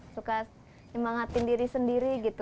suka nyemangatin diri sendiri gitu